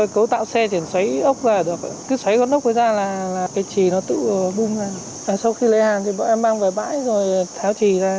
qua ra là cái chỉ nó tự bung ra sau khi lấy hàng thì bọn em mang về bãi rồi tháo chỉ ra